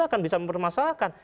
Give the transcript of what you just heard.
akan bisa mempermasalahkan